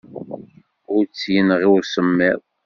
Ur tt-yenɣi usemmiḍ.